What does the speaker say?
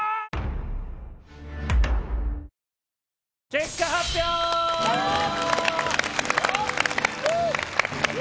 結果発表よっ！